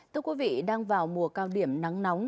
thưa quý vị đang vào mùa cao điểm nắng nóng